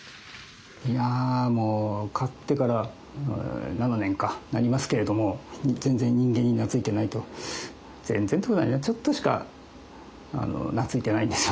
いやもう飼ってから７年かなりますけれども全然人間に懐いてないと全然ってことないねちょっとしか懐いてないんですよ